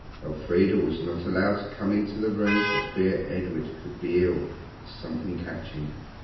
Elfrida was not allowed to come into the room for fear Edred should be ill with something catching.